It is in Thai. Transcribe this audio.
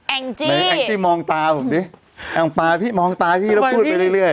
แองจี้แองจี้มองตาผมสิมองตาพี่แล้วพูดไปเรื่อย